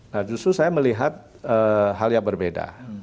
nah justru saya melihat hal yang berbeda